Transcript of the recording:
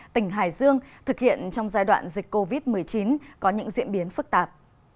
tỉnh hải dương thực hiện trong giai đoạn dịch covid một mươi chín có những diễn biến phức tạp